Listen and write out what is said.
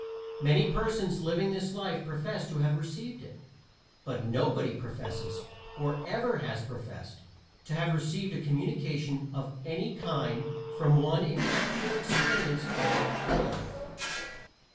Many persons living this life profess to have received it. But nobody professes, or ever has professed, to have received a communication of any kind from one in actual experience of the fore life.